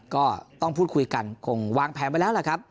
ก็ต้องพูดคุยกันคงวางแผนไปแล้วแหละครับ